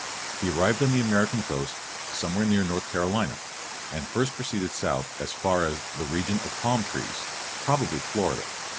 He arrived on the American coast, somewhere near North Carolina, and first proceeded south as far as "the region of palm trees," probably Florida.